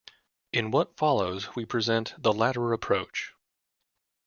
In what follows we present the latter approach.